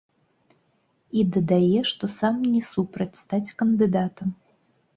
І дадае, што сам не супраць стаць кандыдатам.